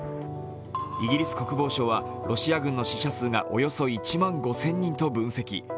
イギリス国防省は、ロシア軍の死者数がおよそ１万５０００人と分析。